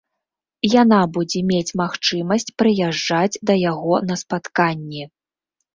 Яна будзе мець магчымасць прыязджаць да яго на спатканні.